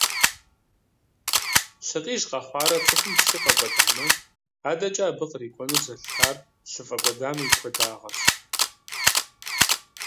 Лъыкъиж къэхъуарэ цӏыхум лъы фӏэкӏуэдамэ, адэкӏэ абы кърикӏуэнур зэлъытар лъы фӏэкӏуэдам и куэдагъращ.